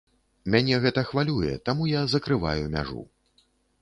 Мяне гэта хвалюе, таму я закрываю мяжу.